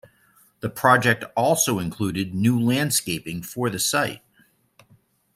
The project also included new landscaping for the site.